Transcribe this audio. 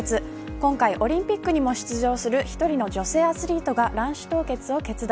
今回オリンピックにも出場する１人の女性アスリートが卵子凍結を決断。